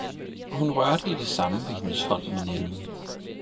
Og hun rørte i det samme ved hendes hånd med nælden